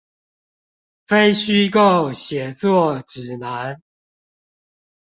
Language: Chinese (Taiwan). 非虛構寫作指南